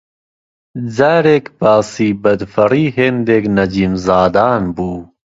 جارێک باسی بەدفەڕی هێندێک نەجیمزادان بوو